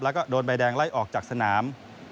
แล้วก็โดนใบแดงไล่ออกจากสนาม